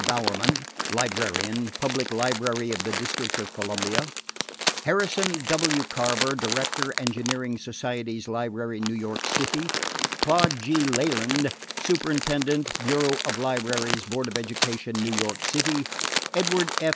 Bowerman, Librarian, Public Library of the District of Columbia; Harrison W. Craver, Director, Engineering Societies Library, New York City; Claude G. Leland, Superintendent, Bureau of Libraries, Board of Education, New York City; Edward F.